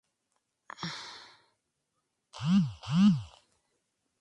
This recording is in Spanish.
Tuvo una gran influencia en los inicios de la organización "Alcohólicos Anónimos".